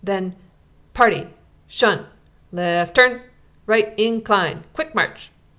Then, "Party, 'shun! Left turn! Right incline quick march!"